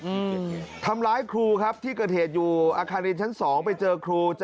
อืมทำร้ายครูครับที่เกิดเหตุอยู่อาคารเรียนชั้นสองไปเจอครูจะ